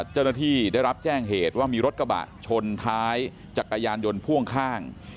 เจ้าหน้าที่ได้รับแจ้งเหตุว่ามีรถกระบะชนท้ายจักรยานยนต์พ่วงข้าง